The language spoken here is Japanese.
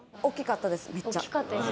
大きかったです